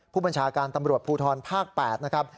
ผู้บัญชาการตำรวจภูทรภาค๘นะครับ